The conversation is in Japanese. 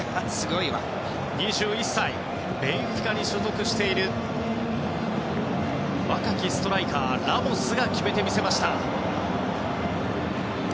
２１歳ベンフィカに所属している若きストライカー、ラモスが決めてみせました。